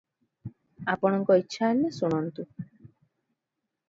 ଆପଣଙ୍କର ଇଚ୍ଛା ହେଲେ ଶୁଣନ୍ତୁ ।